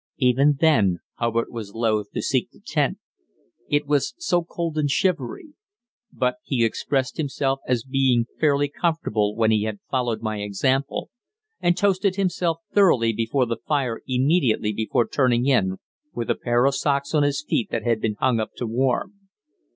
Even then Hubbard was loath to seek the tent, it was so "cold and shivery"; but he expressed himself as being fairly comfortable when he had followed my example and toasted himself thoroughly before the fire immediately before turning in with a pair of socks on his feet that had been hung up to warm.